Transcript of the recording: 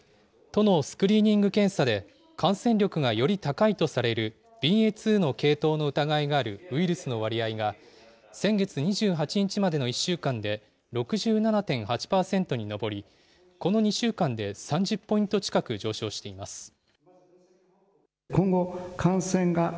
都のスクリーニング検査で、感染力がより高いとされるＢＡ．２の系統の疑いがあるウイルスの割合が先月２８日までの１週間で６７．８％に上り、この２週間で３０ポイント近く上昇しています。